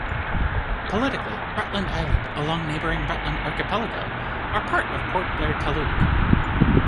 Politically, Rutland Island, along neighboring Rutland Archipelago, are part of Port Blair Taluk.